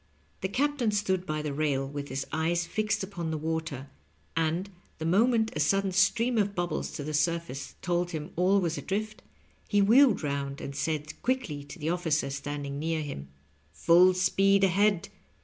The captain stood by the rail with his eyes fixed upon the water, and, the moment a sudden stream of bubbles to the surface told him all was adrift, he wheeled round and said quickly to the officer standing near him : "Full speed ahead.